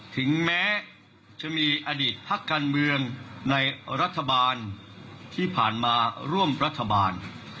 ถึงแม้จะมีอดีตพักการเมืองในรัฐบาลที่ผ่านมาร่วมรัฐบาล